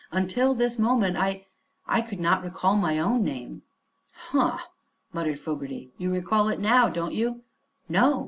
Until this moment I I could not recall my own name." "H'm," muttered Fogerty; "you recall it now, don't you?" "No.